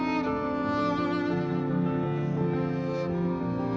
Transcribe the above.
agar tidak terjadi keguguran